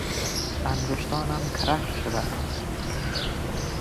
انگشتانم کرخ شده است.